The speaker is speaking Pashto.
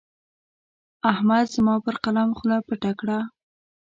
احمد زما پر قلم خوله پټه کړه.